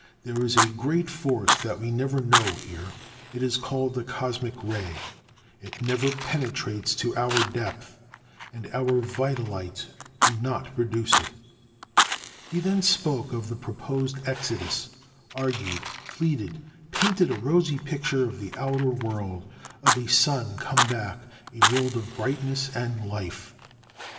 There is a great force that we never know here. It is called the cosmic ray. It never penetrates to our depth. And our vita lights do not produce it." He then spoke of the proposed Exodus, argued, pleaded, painted a rosy picture of the outer world, of a Sun come back, a world of brightness and life.